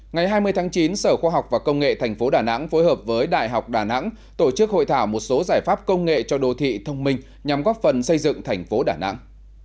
ngày hai mươi tháng chín sở khoa học và công nghệ tp đà nẵng phối hợp với đại học đà nẵng tổ chức hội thảo một số giải pháp công nghệ cho đô thị thông minh nhằm góp phần xây dựng thành phố đà nẵng